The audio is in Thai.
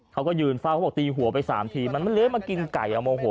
เขาก็ยืนเฝ้าตีหัวไป๓ทีมันเหลือมากินไก่เอาโมโห